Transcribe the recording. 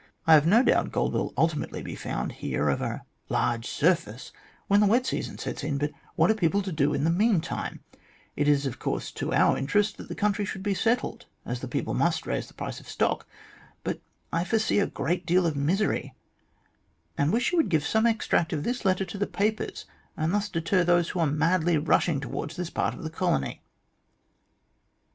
I have no doubt gold will ultimately be found here over a large surface when the wet season sets in, but what are people to do in the meantime 1 It is, of course, to our interest that the country should be settled, as the people must raise the price of stock ; but I foresee a great deal of misery, and wish you would give some extract from this letter to the papers, and thus deter those who are madly rushing towards this part of the colony."